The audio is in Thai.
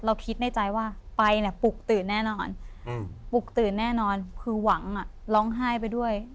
คิดในใจว่าไปเนี่ยปลุกตื่นแน่นอนปลุกตื่นแน่นอนคือหวังร้องไห้ไปด้วย